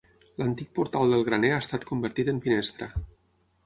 L'antic portal del graner ha estat convertit en finestra.